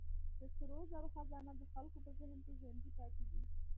د سرو زرو خزانه د خلکو په ذهن کې ژوندۍ پاتې ده.